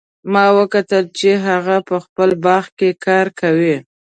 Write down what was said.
ما وکتل چې هغه په خپل باغ کې کار کوي